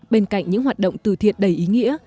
bên cạnh những hoạt động từ thiện đầy ý nghĩa